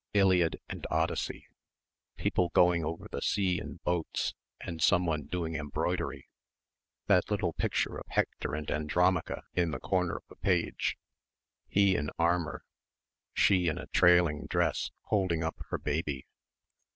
Iliad and Odyssey ... people going over the sea in boats and someone doing embroidery ... that little picture of Hector and Andromache in the corner of a page ... he in armour ... she, in a trailing dress, holding up her baby.